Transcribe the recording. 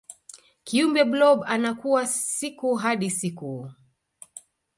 kiumbe blob anakua siku hadi siku